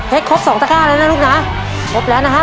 ครบสองตะก้าแล้วนะลูกนะครบแล้วนะฮะ